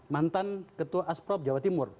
mantan ketua asprof jawa timur